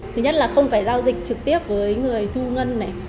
thứ nhất là không phải giao dịch trực tiếp với người thu ngân này